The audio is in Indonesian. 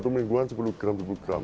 satu minggu kan sepuluh gram sepuluh gram